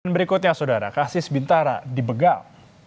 dan berikutnya saudara kasus bintara di begal